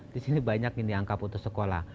disini banyak ini angka putus sekolah